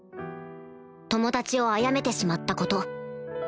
友達をあやめてしまったこと